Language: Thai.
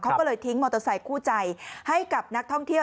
เขาก็เลยทิ้งมอเตอร์ไซค์คู่ใจให้กับนักท่องเที่ยว